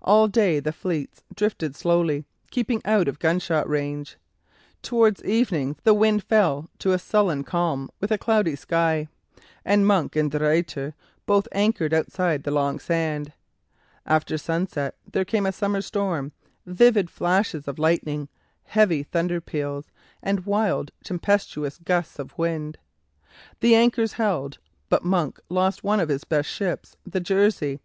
All day the fleets drifted slowly, keeping out of gunshot range. Towards evening the wind fell to a sullen calm with a cloudy sky, and Monk and De Ruyter both anchored outside the Long Sand. After sunset there came a summer storm, vivid flashes of lightning, heavy thunder peals, and wild, tempestuous gusts of wind. The anchors held, but Monk lost one of his best ships, the "Jersey."